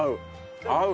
合う。